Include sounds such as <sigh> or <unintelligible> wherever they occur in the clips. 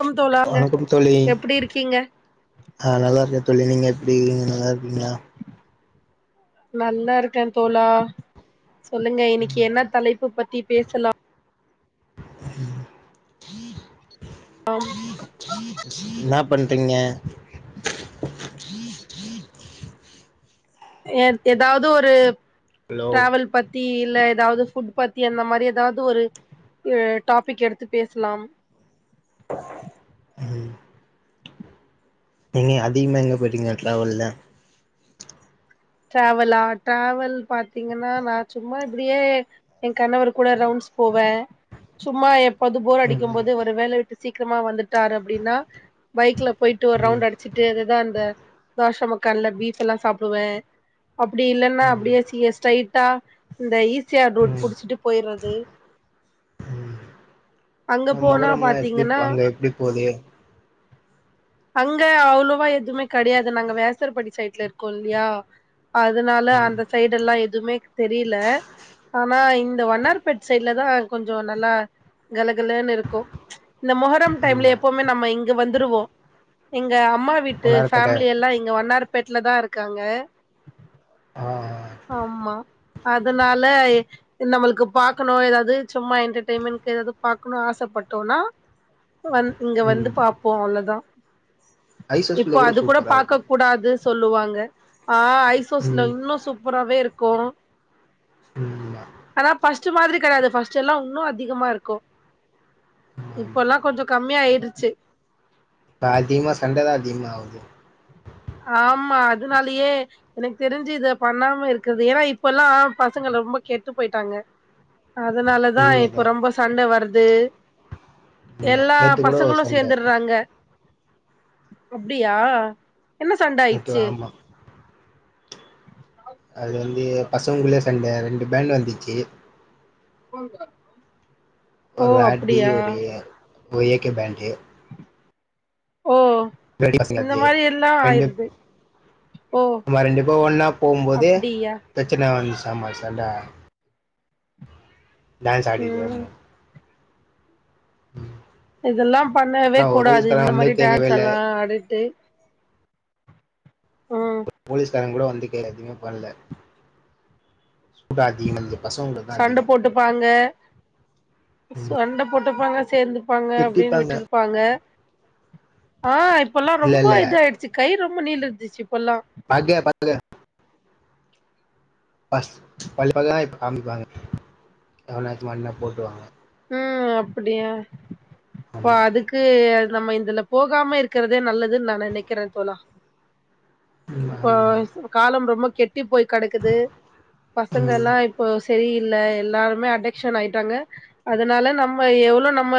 Come தோழாங்க வணக்கம் தோழி எப்டி இருக்கீங்க ஆ நல்லார்க்கே தோழி நீங்கள் எப்டி இகீங்க நல்லார்க்கீங்ளா நல்லா இருக்கந் தோழா சொல்லுங்க இன்னைக்கி என்னத் தலைப்புப் பத்தி பேசலா ம் என்னா பண்றீங்க ஏத் எதாவது ஒரு ஹலோ டிராவல் பத்தி இல்ல ஏதாவது ஃபுட் பத்தி அந்த மாதிரி ஏதாவ்து ஒரு டாபிக் எடுத்து பேஷ்லாம் ம் நீங் அதிகமா எங்க போயிட்டீங்க இந் ஏத்ல அவுள்தா ட்ராவலா டிராவல் பாத்தீங்கன்னா நா சும்மா இப்டியே ஏ கணவரு குட ரவுண்ட்ஸ் போவே சும்மா எப் அது போர் ம் அடிக்கும் ம் போது ஒரு வேல விட்டு சீக்கிரமா வந்துட்டாரு அப்டின்னா பைக்ல பொயிட்டு ஒரு ம் ரவுண்டு அடி வச்சிட்டு அதுதா அந்த தோஷ மக்கான்ல பீப் எல்லா சாப்புடுவே அப்படி இல்லன்னா அப்படியே சியே ஸ்ட்ரைட்டா இந்த இ சி ஆர் ரோட் ம் புடிச்சிட்டு போயற்து அங்க ம்மே போனா மொகரம்ல்லா எப்டி பாத்தீங்கன்னா அங்க எப்டி போதே அங்க அவ்வளோவா எதுவுமே கெடயாது நாங்க வேசரபாடி சைட்ல இருக்கோ இல்லியா அதனால ம் அந்த சைடெல்லா எதுமே தெரில ஆனா இந்த வன்னார்பேட் சைட்ல தா கொஞ்சோ நல்லா கலகலனு இருக்கோ இந்த மொகரம் டைம்ல ஆமா எப்பவுமே நம்ம இங் இங்க வந்துருவோ எங்க அம்மா வீட்டு வண்ணாரப்பேட்ட ஃபேமிலி எல்லா இங்க வன்னார் பேட்ல தா இருக்காங்க அ ஆ ஆமா அதனால நம்ளுக்கு பாக்கணு எதாது சும்மா என்டர்டெயின்மெண்டு எது பாக்குணு ஆசப்பட்டோனா வந் இங்க வந்து ம் பாப்போ அவ்ளதா இப்போ ஐசஸ்ல அது கூட சூப்பரா இருக்கு பாக்கக் கூடாது சொல்லுவாங்க ஆ ஐசோஸ்ல ம் இன்னு சூப்ராவே இருக்கு ஆமா ஆனா பர்ஸ்ட் மாதிரி கெடையாது பர்ஸ்ட்ல்லா இன்னூ அதிகமா இருக்கோ ஆமா ஆமா. இப்பெல்லா கொஞ்ச கம்மியா ஆயிருச்சி தா அதிகமா சண்ட தா அதிகமாவுது ஆமா அதுனாலயே எனக்கு தெரிஞ்சி இத பண்ணாம இருக்கது ஏனா இப்பெல்லா பசங்க லொம்ப கெட்டு பொயிட்டாங்க அதனாலதா உண்மைதா இப்போ ரொம்ப சண்ட வர்து ஆமா எல்லா நேத்து கூட ஒரு பசங்களு சண்ட சேந்தர்றாங்க அப்டியா என்ன சண்ட நேத்து ஆயிட்ச்சி ஆமா அது வந்து பசங்ககுள்ளயே சண்ட ரெண்டு பேண்டு வந்துச்சி <unintelligible> ஒரு அடி அப்டியா ஒரு ஒரு ஏக்க பேண்டு ஓ வெடிச்சி இந்த அப்டியே மாரி எல்லா ரெண்டு ஆயிருது ஓ நம்ம ரெண்டுப்பா ஒன்னா போவ்ம்போதே அப்டியா பிரச்சனை வந்துச்சாம்மா சண்ட டான்ஸ் ஆடிக்கிட்டு ம் வருமா இதெல்லா பண்ணவே ஆனா ஒரு கூடாது போலீஸ்காரன் இந்த வந்து மாதிரி கேக்கவே டான்ஸ் இல்ல எல்லா ஆடிட்டு ம் போலீஸ்காரங்க கூட வந்து க எதுமே பண்ல உபாதி வந்து சண்ட போட்டுப்பாங்க சண்ட போட்டுப்பாங்க சேந்து ப்பாங்க அப்டின் திட்டிப்பாங்க விட்டுருப்பாங்க ஆ இப்பெல்லா இல்ல இல்ல ரொம்ப இதா ஆயிடுச் சி கை ரொம்ப நீள் இந்துச்சு இப்பெல்லா ஆகயா பர்த்டே ஃபர்ஸ்ட்டு பள்ள பள்ள காமிப்பாங்க எவளாச்சு வாங்னா போட்ருவாங்ளா உம் அப்படியா இப்ப ஆமா அதுக்கு நம்ம இதுல போகாம இருக்கிறதே நல்லதுன்னு நா நெனக்கிறே தோழா ம் இப்போ ஆமா காலம் ரொம்ப கெட் ட்டி போய் கிடக்குது பசங்க ம் எல்லா இப்போ சரி இல்ல எல்லாருமே அடக்ஷன் ஆயிட்டாங்க அதனால நம்ம எவ்ளோ நம்ம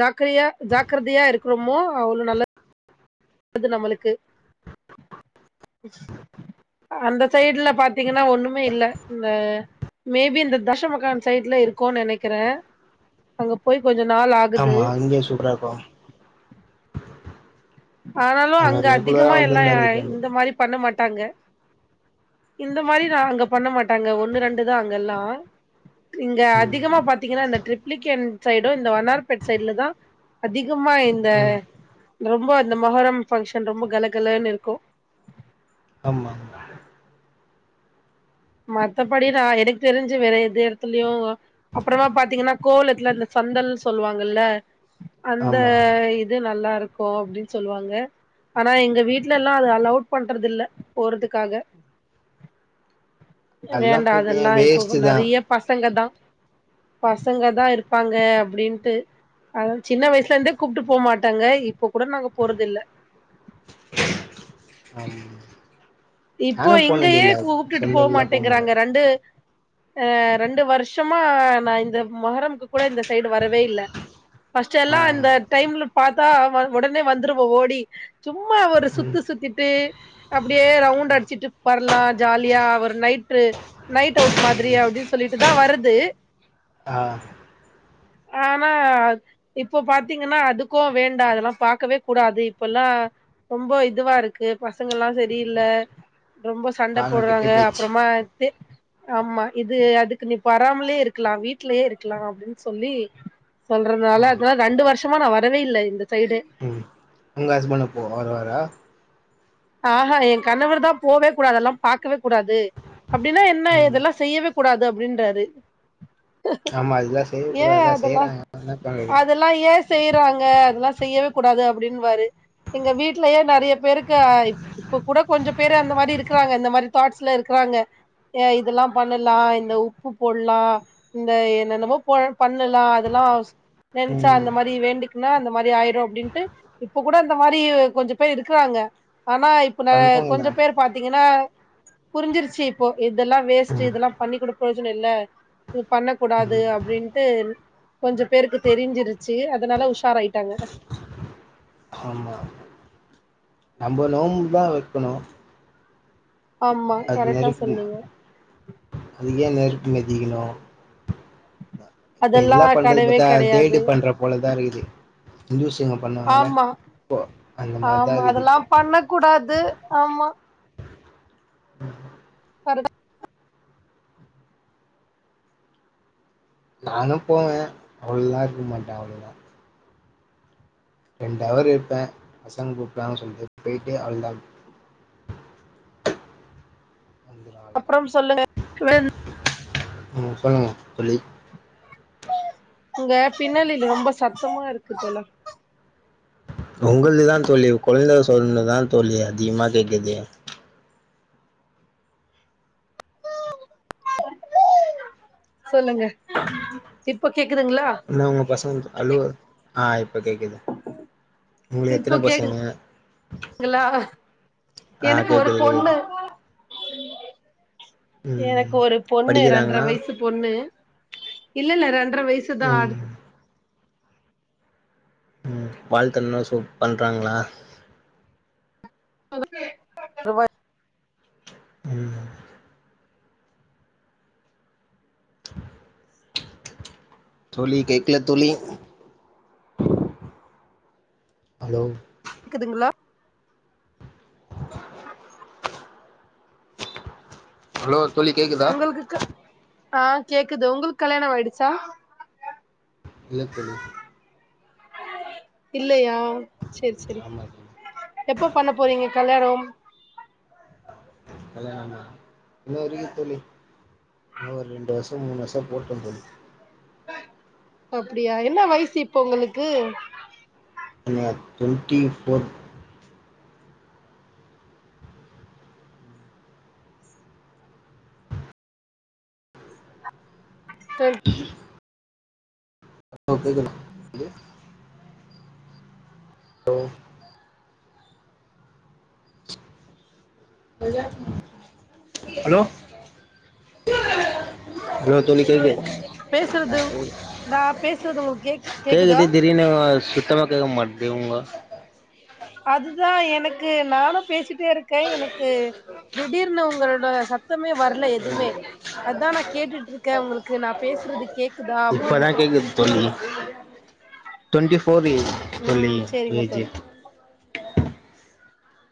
ஜாக்கரையா ஜாக்கிரதையா இருக்கறமோ அவ்ளோ நல்ல அது நம்ளுக்கு அந்த சைட்ல பாத் பாத்திங்கனா ஒன்னுமே இல்ல இங்க மேபி இந்த தஷமகான் சைட்ல இருக்குன் நெனைக்கிறே அங்க போய் கொஞ்ச நாள் ஆகுது இங்கே சொல்றாப ஆனாலு ஆமா அங்க ரெகுலரா அதிகமா எல்லா வந்துருந்தாரு இதாண்ட இந்த மாரி பண்ண மாட்டாங்க இந்த மாரி நா அங்க பண்ண மாட்டாங்க ஒன்னு ரெண்டுதா அங்கெல்லா நீங்க ம் அதிகமா பாத்தீங்கன்னா இந்த ட்ரிப்ளிகேன் சைடு இந்த வன்னார்பேட் சைட்ல தா அதிகமா இந்த ம் ரொம்ப அந்த மொஹரம் ஃபங்க்ஷன் ரொம்ப கலகலனு இருக்கு ஆமா மத்தபடி நா எனக்கு தெரிஞ்சு வேற எது எடத்துலயு அப்புறமா பாத்தீங்கன்னா கோவளத்துல இந்த சந்தல்ன்னு சொல்லுவாங்கல்ல அந்த ஆமா இது நல்லாருக் போ அப்டின் சொல்வாங்க ஆனா எங்க வீட்லலா அது அலொட் பண்றது இல்ல போறதுக்காக வேண்டா போயிட்டு ஏ அதெல்லா வேஸ்ட் எப்போது தா நெறைய பசங்க தா பசங்க தா இருப்பாங்க அப்டின்ட்டு அத்தா சின்ன வயசுல இருந்தே கூப்ட்டு போக மாட்டாங்க இப்ப கூட நாங்க போறது இல்ல ஆம் இப்போ இங்கயே கூப்பிட்டுட்டு சொந்த போக ஊர்லா போ மாட்ட மாட்டேங்கிறாங்க ரெண்டு அ ரெண்டு வருஷமா நா இந்த மொகரம்க்கு கூட இந்த சைடு வரவே இல்ல ஃபர்ஸ்ட் ஆ எல்லா இந்த டைம்ல பாத்தா உடனே வந்துருவோ ஓடி சும்மா ஒரு சுத்து ம் சுத்திட்டு அப்டியே ரவுண்டு அடிச்சிட்டு பட லா ஜாலியா ஒரு நைட்டு நைட் அவுட் மாதிரி அப்டின் சொல்லிட்டு தா வருது ஆ ஆனா இப்ப பாத்தீங்கனா அதுக்கு வேண்டா அதெல்லா பாக்கவே கூடாது இப்பெல்லா ரொம்ப இதுவா இருக்கு பசங்க எல்லா சரியில்ல ரொம்ப சண்ட காலோ கெட்டு போட்றாங்க போயிச்சு அப்புறமா தே ஆமா இது அதுக்கு நீ பராமலே இருக்லா வீட்லே இருக்லா அப்டின் சொல்லி சொல்றதால அதா ரெண்டு வருஷமா நா வரவே இல்ல இந்த சைடே ஒங்க ஹஸ்பண்ட் அப்போ வருவாரா ஆஹா என் கணவர் தா போவே கூடாது அதெல்லா பாக்கவே கூடாது அப்படின்னா என்ன ம் இதெல்லா செய்யவே கூடாது அப்டின்றாரு ஆமா அதெல்லா செய்ய கூடாதுதா செய்றாங்க என்ன பண்றது எல்லா ஏ செய்றாங்க அதெல்லா செய்யவே கூடாது அப்டினுவாரு எங்க வீட்லயே நெறைய பேருக்கு இங்க இப்ப கூட கொஞ்ச பேரு அந்த மாதிரி இருக்கறாங்க இந்த மாதிரி தாட்ஸ்ல இருக்கறாங்க ஏ இதெல்லா பண்ணலா இந்த உப்பு போட்லா இந்த என்னென்னமோ போவெ பண்ணலா அதெல்லா நெனச்சா ம் அந்த மாரி வேண்டிக்குங்க அந்த மாரி ஆயிரு அப்டின்ட்டு இப்ப கூட இந்த மாரி கொஞ்ச பேர் இருக்குறாங்க ஆனா இப்ப நா பண்றாங்க தா கொஞ்ச பேர் பாத்தீங்கன்னா புரிஞ்சிருச்சி இப்போ இதெல்லா வேஸ்ட்டு ம் இதெல்லா பண்ணிக்கூட பிரோஜனம் இல்ல இது பண்ண கூடாது அப்டின்ட்டு கொஞ்ச பேருக்கு தெரிஞ்சிருச்சு அதுனால உஷார் ஆய்ட்டாங்க ஆமா நம்ப நோம்பு தா வெக்கணு ஆமா அது மாறி கரெக்டா இருக்குமா சொன்னீங்க அதுக்கு ஏன் நெருப்பு மெதிக்கணு இப்ப அதெல்லா இதுல்லா பண்றது கெடையவே பாத்தா தேடு கெடையாது பண்ற போலதா இருக்குது ஜூஸ் இங்க பண்ணுவாங்களே ஆமா அப்போ அந்த மாறிதா ஆமா இருக்கு அதெல்லா இப்போ பண்ண கூடாது ஆமா உம் <unintelligible> கரட்டா நானு போவ அவள்லா இருக்க மாட்டே அவ்ளோதா ரெண்டு ஹவர் இருப்பே பசங்க கூப்ட்டாங்கன்னு சொல்ட்டு போயிட்டு அவள்தா அப்புறம் சொல்லுங்க <unintelligible> ம் சொல்லுங்க தோழி உங்க பின்னாலில் ரொம்ப சத்தமா இருக்கு போல உங்களுக்தா தோழி கொழ்ந்த சொன்னதா தோழி அதிகமா கேக்குது சொல்லுங்க இப்ப கேக்குதுங்ளா என்னா உங்க பசங்க அழுவ ஆ இப்ப கேக்குது உங்களுக்கு இப்போ எத்தன பசங்க கேக்குதுங்ளா ஆ எனக்கு ஒரு கேக்குது கேக்குது பொண்ணு ம் எனக்கு ஒரு பொண்ணு ரெண்ரை படிக்கிறாங்களா வயசு பொண்ணு இல்ல இல்ல ரெண்ரை வயசு தா ம் ஆகு உம் வாழ்த்தண்ணா சூப் பண்றாங்ளா மெதுவாய் உம் தோழி கேக்குல தோழி ஹலோ கேக்குதுங்ளா ஹலோ தோழி கேக்குதா உங்களுக்குக்கு ஆ கேக்குது உங்களுக்கு கல்யாணம் ஆயிடுச்சா இல்ல தோழி இல்லயா சேர் செரி ஆமா தோழி எப்ப பண்ண போறீங்க கல்யாணம் கல்யாணமா இன்னு இருக்கு தோழி இன்னு ஒர் ரெண்டு வர்ஷோ மூணு வர்ஷோ போட்டுந்தோழி அப்டியா என்ன வய்சு இப்போ உங்களுக்கு இல்லங்க டொன்ட்டி ஃபோர் <unintelligible> ஆ கேக்குது தோழி லோ ஹலோ ஹலோ தோழி கேக்குது பேசுறது நா பேசுறது உங்களுக்கு கேக்கு கேக்குதா தீடீர்ன்னு சுத்தமா கேக்க மாட்டிங்குது உங்க அதுதா எனக்கு நானும் பேசிட்டே இருக்கே எனக்கு திடீர்னு உங்களோட சத்தமே வர்ல எதுமே அதான் நா கேட்டுட்ருக்க உங்களுக்கு நா பேசுறது கே இப்பதா கேக்குது தோழி டொண்ட்டி ஃபோர் ஏஜ் தோழி ம் சேரிங்க ஏஜு தோழி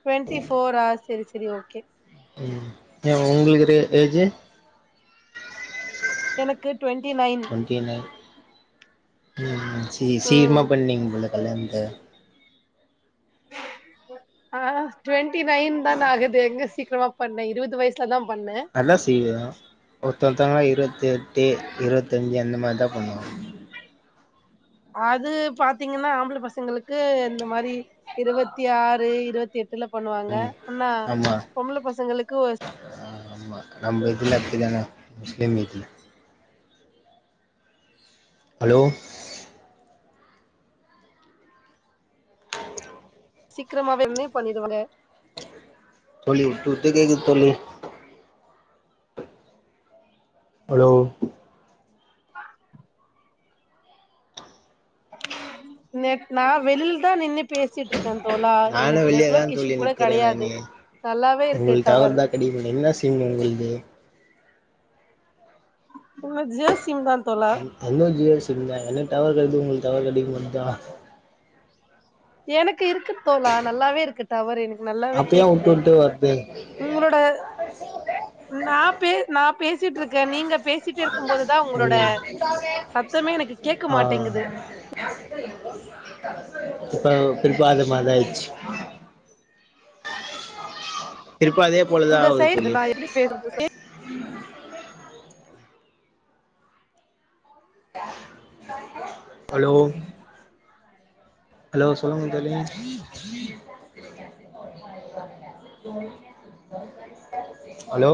டுவென்டி ஃபோரா செரி செரி ஓகே ஏ உங்களுக்கு ஏஜு எனக்கு டுவெண்ட்டி நைன் <unintelligible> சி ம் சீக்கிராம பண்ணீங்க போல கல்யாணத்த <inaudible> ஆ டு்வெண்ட்டி நைன் தானே ஆகுது எங்க சீக்கிரமா பண்ண இருவது வயசுலதா பண்ணே நல்லா செய்வியா ஒர்த்தொர்த்தங்க இருவத்தி எட்டு இருவத்தஞ்சு அந்த மார்தா பண்ணுவா அது பாத்தீங்கன்னா ஆம்பள பசங்களுக்கு இந்த மாரி இருவத்தி ஆறு இருவத்தி எட்டு ஃபில்லப் பண்ணுவாங்க ம் <unintelligible> ஆமா பொம்பள பசங்களுக்கு ஆமா நம்ம இதில அப்டி தானா முஸ்லிம் இதில் <inaudible> ஹலோ சீக்கிரமாவ <unintelligible> பண்ணிருவாங்க தோழி விட்டு விட்டு கேக்குது தோழி ஹலோ நேத் நா வெளில தா நின்னு பேசிட்டுருக் தோழா நானு எனக்கு வெளியதா நெட்வொர்க் இஸ்யூ தோழி கூட நிக்கிறே கெடையாது நானு நல்லாவே இருக்கு உங்களுக்கு டவர் <unintelligible> என்ன சீன் உங்கள் து <unintelligible> ஜியோ சிம் தான் <inaudible> ஜியோ சிம் தா எனக்கு டவர் கெடைக்குது உங்களுக்கு டவர் கெடைக்க மாட்டேகுதா எனக்கு இருக்கு தோழா நல்லாவே இருக்கு டவர் எனக்கு நல்லா அப்ப ஏன் உட்டு உட்டு வருது உங்களோட நா பே நா பேசிட்ருக்கே நீங்க பேசிட்டு இருக்கும் போது தா உங்களோட ம் சத்தமே எனக்கு கேட்க ஆ மாட்டேங்குது <unintelligible> திருப்பஅதே உங்க சைடு இத நா எப்டி பேசுறது <inaudible> ஹலோ ஹலோ சொல்லுங்க தோழி ஹலோ